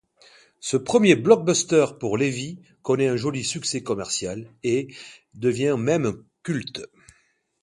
Ce premier blockbuster pour Levy connait un joli succès commercial, et devient même culte.